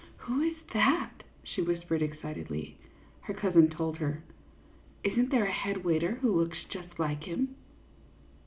" Who is that ?" she whispered, excitedly. Her cousin told her. "Is n't there a head waiter who looks just like him